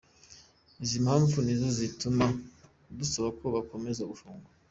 Izi mpamvu ni zo zituma dusaba ko bakomeza gufungwa”.